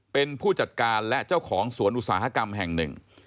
เป็นผู้จัดการและเจ้าของสวนอุตสาหกรรมแห่งหนึ่ง